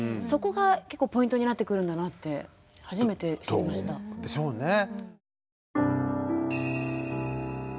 そこが結構ポイントになってくるんだなって初めて知りました。でしょうね。